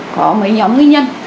có mấy nhóm nguyên nhân